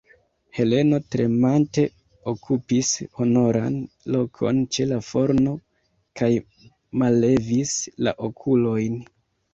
Heleno tremante okupis honoran lokon ĉe la forno kaj mallevis la okulojn.